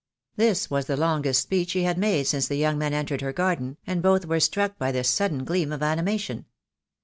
This was the longest speech she had made since the young men entered her garden, and both were struck by this sudden gleam of animation.